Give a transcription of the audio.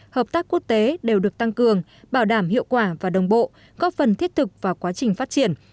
hợp tác quốc tế đều được tăng cường bảo đảm hiệu quả và đồng bộ góp phần thiết thực vào quá trình phát triển